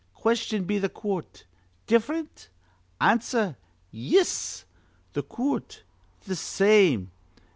Question be th' coort: 'Different?' Answer: 'Yis.' Th' coort: 'Th' same.'